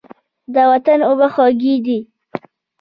د وطن اوبه خوږې دي.